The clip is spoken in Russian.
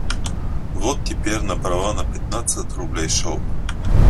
Вот теперь набрала на пятнадцать рублей шелку